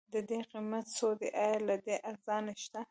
ددې قيمت څو دی؟ ايا له دې ارزان شته؟